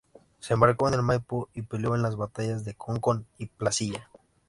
Se embarcó en el "Maipo" y peleó en las batallas de Concón y Placilla.